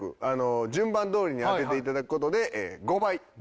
順番どおりに当てて頂く事で５倍。